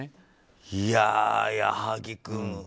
いや、矢作君。